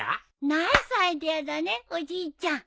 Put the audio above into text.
ナイスアイデアだねおじいちゃん。